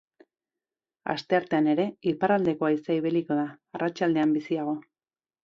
Asteartean ere, iparraldeko haizea ibiliko da, arratsaldean biziago.